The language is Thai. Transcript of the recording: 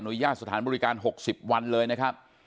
ญาตสถานบริการ๖๐วันเลยนะครับ